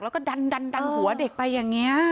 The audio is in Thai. แล้วก็ดันหัวเด็กไปอย่างนี้